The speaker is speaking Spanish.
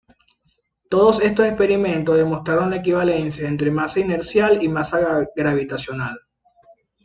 Todos estos experimentos demostraron la equivalencia entre masa inercial y masa gravitacional.